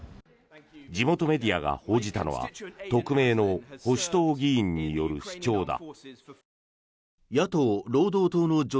地元メディアが報じたのは匿名の保守党議員による主張だ。